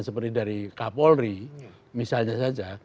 seperti dari kapolri misalnya saja